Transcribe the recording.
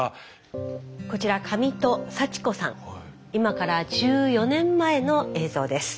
こちら今から１４年前の映像です。